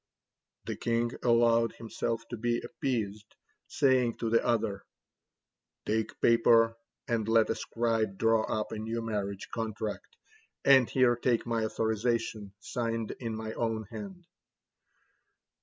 The king allowed himself to be appeased, saying to the other: "Take paper and let a scribe draw up a new marriage contract, and here take my authorization, signed in my own hand."